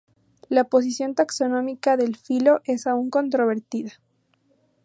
La posición taxonómica del filo es aún controvertida.